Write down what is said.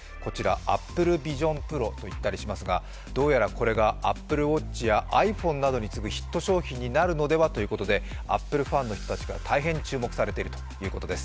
アップルビジョンプロと言ったりしますがどうやらこれがＡｐｐｌｅＷａｔｃｈやｉＰｈｏｎｅなどに次ぐヒット商品になるのではということでアップルファンの人たちから大変注目されているということです。